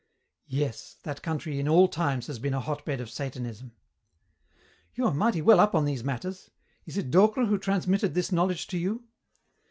"Yes, that country in all times has been a hotbed of Satanism." "You are mighty well up on these matters. Is it Docre who transmitted this knowledge to you?"